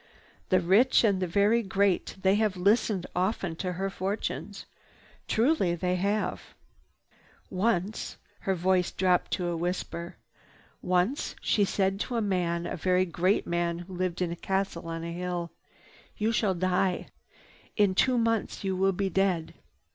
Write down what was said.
The rich and the very great, they have listened often to her fortunes. Truly they have. "Once—" her voice dropped to a whisper. "Once she said to a man, a very great man who lived in a castle on a hill: 'You shall die. In two months you will be dead.